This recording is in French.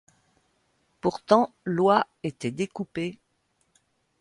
Pourtant, l'oie était découpée.